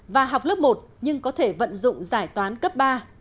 và học lớp một nhưng có thể vận dụng giải toán cấp ba